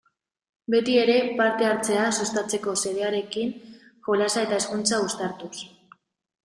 Beti ere parte-hartzea sustatzeko xedearekin, jolasa eta hezkuntza uztartuz.